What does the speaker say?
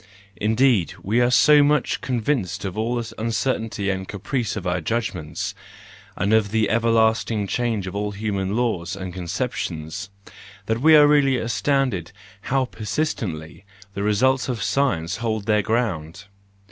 Indeed, we are so much convinced of all the uncertainty and caprice of our judgments, and of the everlasting change of all human laws and conceptions, that we are really astonished how persistently the results of science hold their ground!